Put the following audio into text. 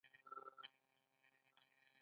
ملګری د غمونو ملهم وي.